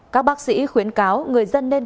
các bác sĩ khuyến cáo người dân nên